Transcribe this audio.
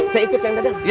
saya ikut keang dadang